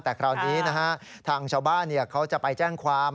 แต่คราวนี้นะฮะทางชาวบ้านเขาจะไปแจ้งความ